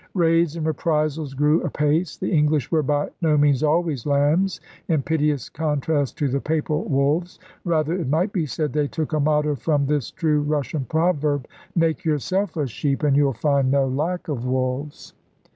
Raids and reprisals grew apace. The English were by no means always lambs in piteous contrast to the Papal wolves. Rather, it might be said, they took a motto from this true Russian proverb: *Make yourself a sheep and you'll find no lack of wolves.'